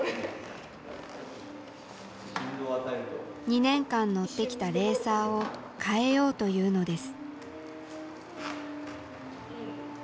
２年間乗ってきたレーサーを換えようというのです。